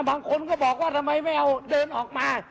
บางคนก็บอกว่าทำไมไม่เอาเดินออกมา